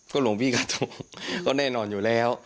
หลวงพี่กาโทกก็แน่นอนอยู่แล้ว